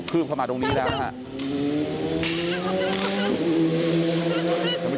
ครับแล้วดับไฟไปแล้วใช่ไหมครับ